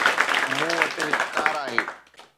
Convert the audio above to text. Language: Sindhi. مون وٽ هڪ ڪار آهي.